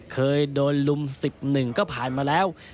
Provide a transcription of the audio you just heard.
เคยโดนลุม๑๑ก็ผ่านมาแล้ว